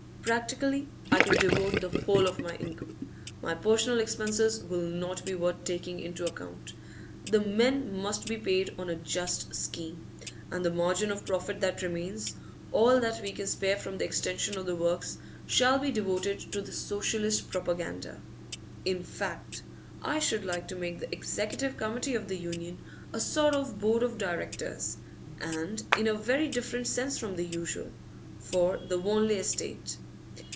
Practically I can devote the whole of my income; my personal expenses will not be worth taking into account. The men must be paid on a just scheme, and the margin of profit that remains, all that we can spare from the extension of the works, shall be devoted to the Socialist propaganda. In fact, I should like to make the executive committee of the Union a sort of board of directors and in a very different sense from the usual for the Wanley estate.